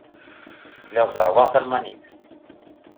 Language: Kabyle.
Lliɣ zerrweɣ talmanit.